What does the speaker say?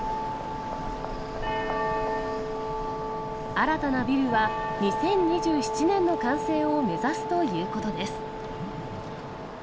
新たなビルは、２０２７年の完成を目指すということです。